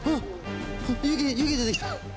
湯気、湯気出てきた。